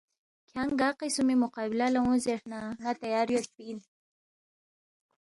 کھیانگ گا قسمی مقابلہ لہ اونگ زیرس نہ ن٘ا تیار یودپی اِن